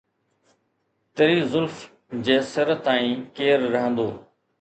تري زلف جي سر تائين ڪير رهندو؟